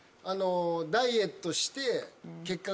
ダイエットして。